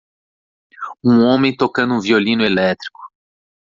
um homem tocando um violino elétrico.